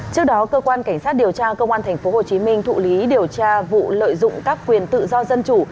trước đó cơ quan cảnh sát điều tra công an tp hcm thụ lý điều tra vụ lợi dụng các quyền tự do dân chủ